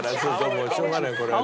もうしょうがないこれは。